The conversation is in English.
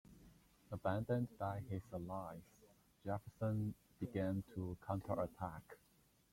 Abandoned by his allies, Jefferson began to counterattack.